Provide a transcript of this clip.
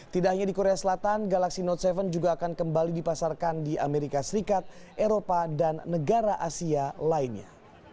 tidak hanya di korea selatan galaxy note tujuh juga akan kembali dipasarkan di amerika serikat eropa dan negara asia lainnya